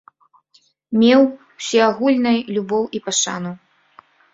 Меў усеагульнай любоў і пашану.